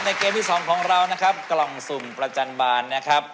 เกมที่สองของเรานะครับกล่องสุ่มประจันบาลนะครับ